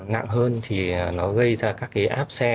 nặng hơn thì nó gây ra các cái áp xe